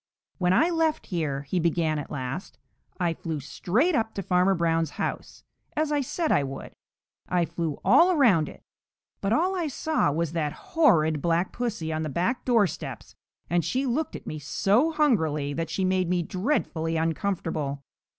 "When I left here," he began at last, "I flew straight up to Farmer Brown's house, as I said I would. I flew all around it, but all I saw was that horrid Black Pussy on the back doorsteps, and she looked at me so hungrily that she made me dreadfully uncomfortable.